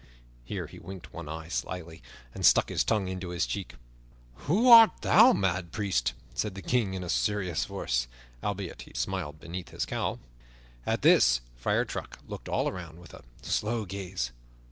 Here he winked one eye slyly and stuck his tongue into his cheek. "Who art thou, mad priest?" said the King in a serious voice, albeit he smiled beneath his cowl. At this Friar Tuck looked all around with a slow gaze.